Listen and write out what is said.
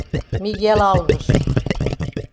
Miguel Alves